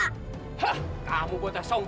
kamu pun tak sombong